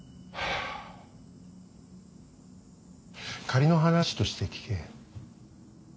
仮の話として聞け。